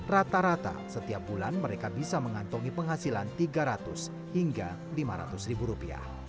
rata rata setiap bulan mereka bisa mengantongi penghasilan rp tiga ratus hingga rp lima ratus ribu rupiah